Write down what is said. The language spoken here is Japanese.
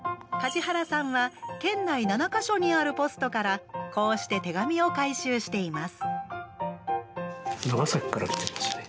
梶原さんは県内７か所にあるポストからこうして手紙を回収しています。